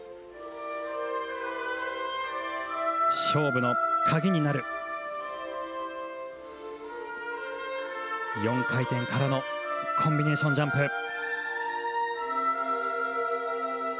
勝負の鍵になる４回転からのコンビネーションジャンプ。